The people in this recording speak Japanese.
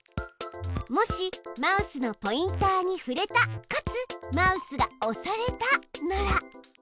「もしマウスのポインターに触れたかつマウスが押されたなら」。